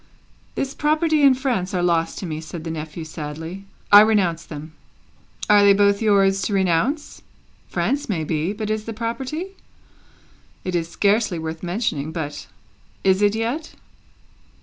"This property and France are lost to me," said the nephew, sadly; "I renounce them." "Are they both yours to renounce? France may be, but is the property? It is scarcely worth mentioning; but, is it yet?"